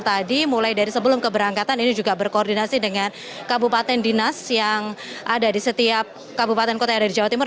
tadi mulai dari sebelum keberangkatan ini juga berkoordinasi dengan kabupaten dinas yang ada di setiap kabupaten kota yang ada di jawa timur